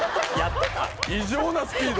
異常なスピード。